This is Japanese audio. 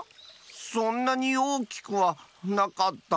そんなにおおきくはなかった。